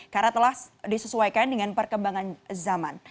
karena telah disesuaikan dengan perkembangan zaman